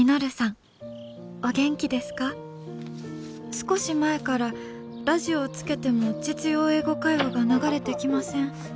少し前からラジオをつけても『実用英語会話』が流れてきません。